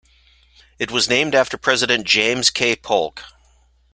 It was named after President James K. Polk.